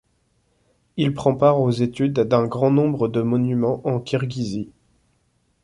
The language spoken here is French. Il prend part aux études d'un grand nombre de monuments en Kirghizie.